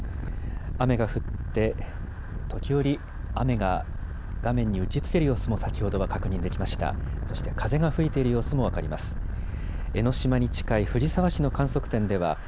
雨が降って時折雨が画面に打ちつける様子も先ほどは確認できました。